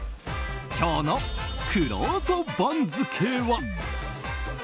今日のくろうと番付は。